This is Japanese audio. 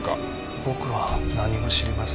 僕は何も知りません。